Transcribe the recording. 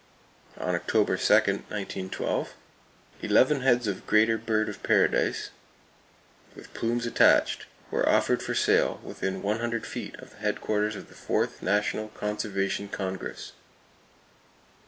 On October 2, 1912, eleven heads of greater bird of paradise, with plumes attached, were offered for sale within one hundred feet of the headquarters of the Fourth National Conservation Congress.